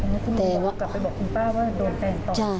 คุณลุงกลับไปบอกคุณป้าว่าโดดเตนต่อ